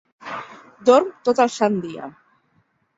Dorm tot el sant dia.